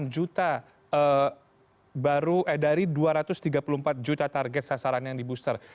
enam puluh enam juta dari dua ratus tiga puluh empat juta target sasaran yang dibooster